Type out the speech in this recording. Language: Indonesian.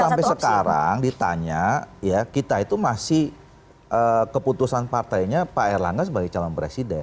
sampai sekarang ditanya ya kita itu masih keputusan partainya pak erlangga sebagai calon presiden